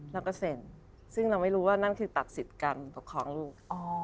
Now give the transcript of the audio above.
เราก็เซ็นซึ่งเราไม่รู้ว่านั่นคือตัดสิทธิ์การปกครองลูก